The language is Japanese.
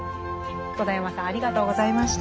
戸田山さんありがとうございました。